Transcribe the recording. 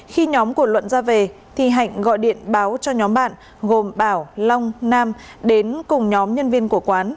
khi nhóm của luận ra về thì hạnh gọi điện báo cho nhóm bạn gồm bảo long nam đến cùng nhóm nhân viên của quán